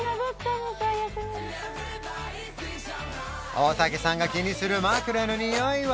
大竹さんが気にする枕のにおいは？